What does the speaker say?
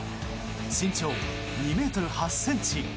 身長２ｍ８ｃｍ。